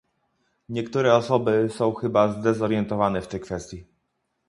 Niektóre osoby są chyba zdezorientowane w tej kwestii